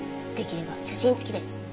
「できれば写真付きで」